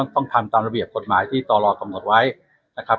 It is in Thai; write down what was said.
ต้องทำตามระเบียบกฎหมายที่ตรกำหนดไว้นะครับ